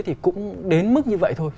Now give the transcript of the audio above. thì cũng đến mức như vậy thôi